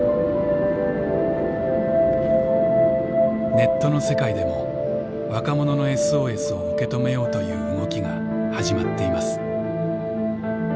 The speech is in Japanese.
ネットの世界でも若者のＳＯＳを受け止めようという動きが始まっています。